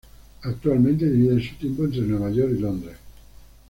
Actualmente divide su tiempo entre Nueva York, y Londres.